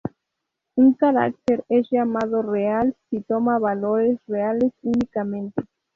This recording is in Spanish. Un carácter es llamado real si toma valores reales únicamente.